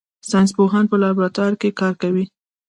ساینس پوهان په لابراتوار کې کار کوي